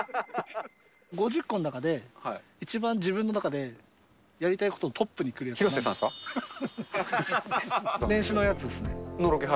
５０個の中で、一番自分の中でやりたいことのトップに来るやつは？